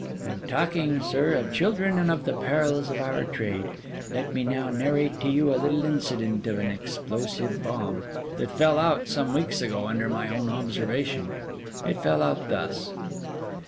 'And talking, sir, of children and of the perils of our trade, let me now narrate to you a little incident of an explosive bomb, that fell out some weeks ago under my own observation. It fell out thus.